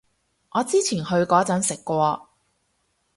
我之前去嗰陣食過